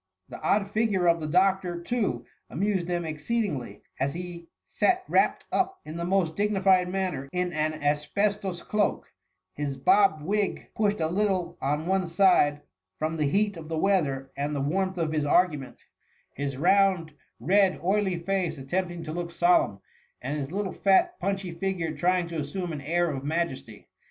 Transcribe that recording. The odd 6gure of the doctor, too, amused them exceedingly, as he sat wrapt up in the most dignified manner in an asbestos cloak, his bob wig pushed a little on one side from the heat of the weather and the warmth of his argument ; his round, red, oily face attempting to look solemn, and his little fat, punchy figure trying to assume an air of majesty.